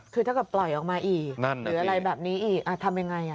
คือถ้าเกิดปล่อยออกมาอีกหรืออะไรแบบนี้อีกทำยังไง